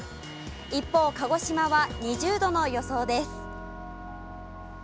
一方、鹿児島は２０度の予想です。